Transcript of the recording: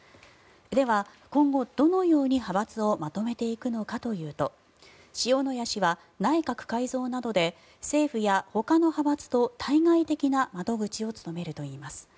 では今後、どのように派閥をまとめていくのかというと塩谷氏は、内閣改造などで政府やほかの派閥との対外的な窓口を務めるといいます。